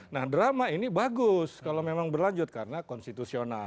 nah drama ini bagus kalau memang berlanjut karena konstitusional